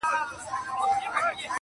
جهاني له دې وطنه یوه ورځ کډي باریږي٫